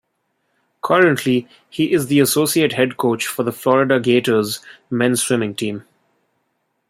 Currently, he is the associate head coach for the Florida Gators men's swimming team.